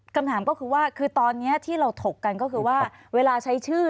คำถามก็คือว่าคือตอนนี้ที่เราถกกันก็คือว่าเวลาใช้ชื่อ